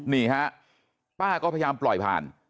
นี่ฮะป้าก็พยายามปล่อยผ่าน